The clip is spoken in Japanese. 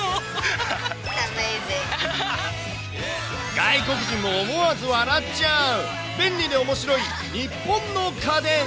外国人も思わず笑っちゃう、便利でおもしろい日本の家電。